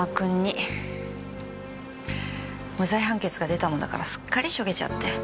無罪判決が出たもんだからすっかりしょげちゃって。